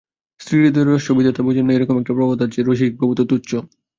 স্ত্রীহৃদয়ের রহস্য বিধাতা বোঝেন না এইরকম একটা প্রবাদ আছে, রসিকবাবু তো তুচ্ছ।